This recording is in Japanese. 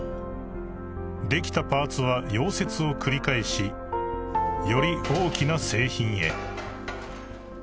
［できたパーツは溶接を繰り返しより大きな製品へ］